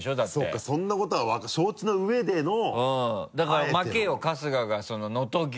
そうかそんなことは承知の上での「あえての」だから負けよ春日が能登牛。